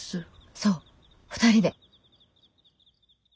そう２人で。